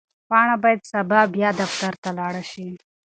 پاڼه باید سبا بیا دفتر ته لاړه شي.